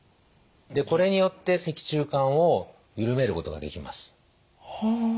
でこれによって脊柱管をゆるめることができます。